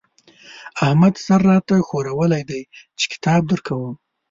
احمد سر را ته ښورولی دی چې کتاب درکوم.